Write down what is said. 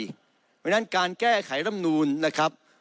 เพราะฉะนั้นการแก้ไขรำนูนนะครับ